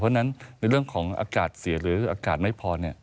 เพราะฉะนั้นในเรื่องของอากาศเสียหรืออากาศไม่พอ